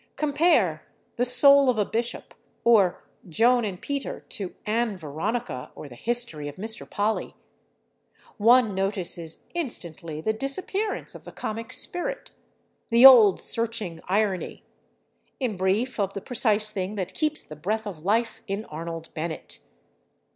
Compare "The Soul of a Bishop" or "Joan and Peter" to "Ann Veronica" or "The History of Mr. Polly." One notices instantly the disappearance of the comic spirit, the old searching irony—in brief, of the precise thing that keeps the breath of life in Arnold Bennett.